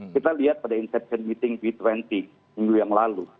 kita lihat pada inception meeting b dua puluh minggu yang lalu